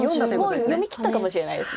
もう読みきったかもしれないです。